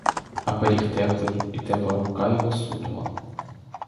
А пиріг теплий і тепла рука його сунула.